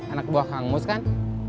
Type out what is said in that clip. anak buah hangus kan